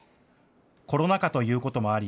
コロナ禍ということもあり